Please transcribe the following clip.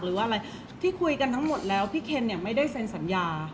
เพราะว่าสิ่งเหล่านี้มันเป็นสิ่งที่ไม่มีพยาน